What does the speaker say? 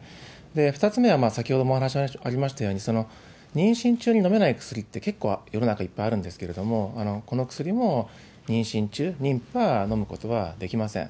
２つ目は、先ほどもお話ありましたように、妊娠中に飲めない薬って、結構世の中いっぱいあるんですけれども、この薬も妊娠中、妊婦は飲むことはできません。